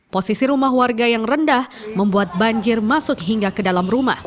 posisi rumah warga yang rendah membuat banjir masuk hingga ke dalam rumah